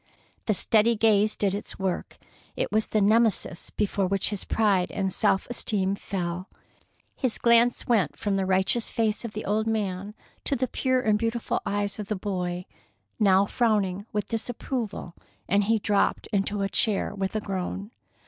The steady gaze did its work. It was the Nemesis before which his pride and self esteem fell. His glance went from the righteous face of the old man to the pure and beautiful eyes of the boy, now frowning with disapproval, and he dropped into a chair with a groan.